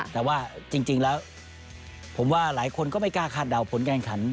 แต่ว่าจริงแล้วผมว่าหลายคนก็ไม่กล้าคาดเดาผลการขัน